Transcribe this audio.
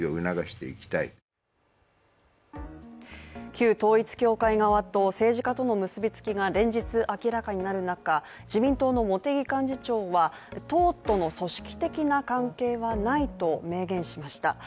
旧統一教会側と政治家との結びつきが連日明らかになる中、自民党の茂木幹事長は党との組織的な関係はないと明言しました